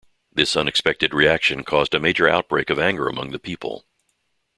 This unexpected reaction caused a major outbreak of anger among the people.